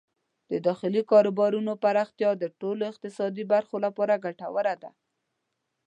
د داخلي کاروبارونو پراختیا د ټولو اقتصادي برخو لپاره ګټوره ده.